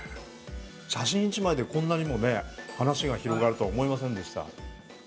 写真一枚でこんなにもね話が広がるとは思いませんでした。